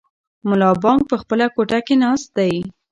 ملا بانګ په خپله کوټه کې ناست دی.